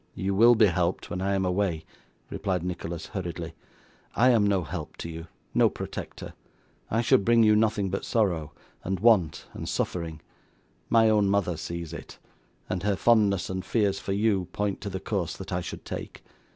'You will be helped when I am away,' replied Nicholas hurriedly. 'I am no help to you, no protector; I should bring you nothing but sorrow, and want, and suffering. My own mother sees it, and her fondness and fears for you, point to the course that I should take.